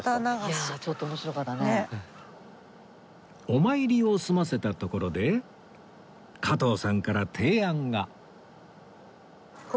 お参りを済ませたところで加藤さんから提案が